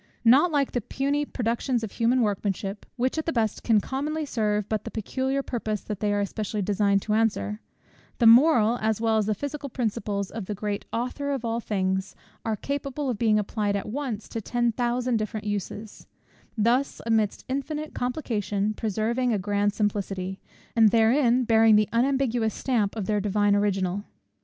Not like the puny productions of human workmanship, which at the best can commonly serve but the particular purpose that they are specially designed to answer; the moral, as well as the physical, principles of the great Author of all things are capable of being applied at once to ten thousand different uses; thus, amidst infinite complication, preserving a grand simplicity, and therein bearing the unambiguous stamp of their Divine Original.